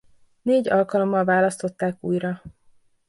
Négy alkalommal választották újra.